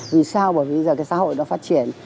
vì sao bởi bây giờ cái xã hội nó phát triển